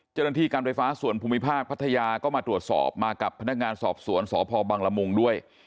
เจ้าหน้าที่การไฟฟ้าส่วนภูมิภาคพัทยาก็มาตรวจสอบมากับพนักงานสอบสวนสพบังละมุงด้วย